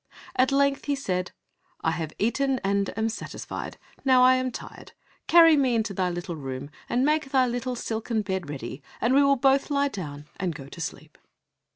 At length he said, "I have eaten and am satisfied; now I am tired, carry me into thy little room and make thy little silken bed ready, and we will both lie down and go to sleep."